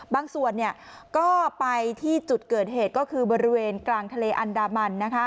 บางส่วนก็ไปที่จุดเกิดเหตุก็คือบริเวณกลางทะเลอันดามันนะคะ